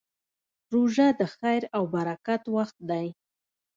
روژه د خیر او برکت وخت دی.